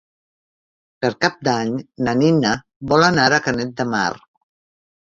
Per Cap d'Any na Nina vol anar a Canet de Mar.